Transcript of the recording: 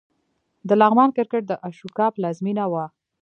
د لغمان کرکټ د اشوکا پلازمېنه وه